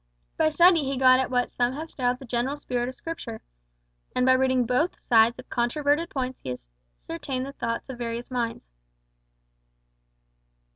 By study he got at what some have styled the general spirit of Scripture, and by reading both sides of controverted points he ascertained the thoughts of various minds.